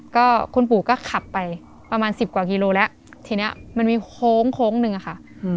ก็คุณปู่ก็ขับไปประมาณสิบกว่ากิโลแล้วทีนี้มันมีโค้งโค้งหนึ่งอะค่ะ